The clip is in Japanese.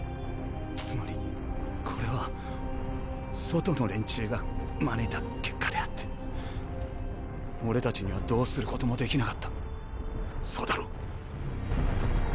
つまりこれは外の連中が招いた結果であって俺たちにはどうすることもできなかったそうだろ？